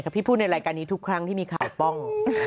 พี่พูดในรายการนี้ทุกครั้งที่มีข่าวป้อง